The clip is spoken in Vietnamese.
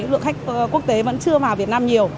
lượng khách quốc tế vẫn chưa vào việt nam nhiều